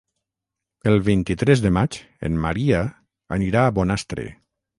El vint-i-tres de maig en Maria anirà a Bonastre.